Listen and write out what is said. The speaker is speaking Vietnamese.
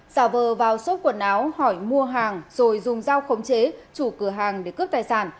giả vờ vào xốp quần áo hỏi mua hàng rồi dùng dao khống chế chủ cửa hàng để cướp tài sản